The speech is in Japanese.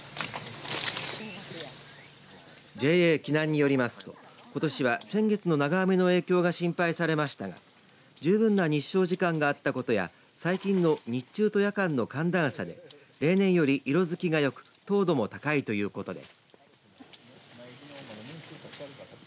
ＪＡ紀南によりますとことしは先月の長雨の影響が心配されましたが十分な日照時間があったことや最近の日中と夜間の寒暖差で例年より色づきがよく糖度も高いということです。